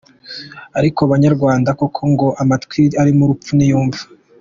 Ariko banyarwanda, koko ngo amatwi arimo urupfu ntiyumva!!!